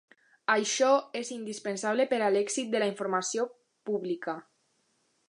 Això és indispensable per a l'èxit de la informació pública.